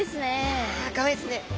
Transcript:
いやかわいいですね。